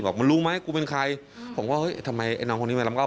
บอกมึงรู้ไหมกูเป็นใครผมก็เฮ้ยทำไมไอ้น้องคนนี้มาลำก็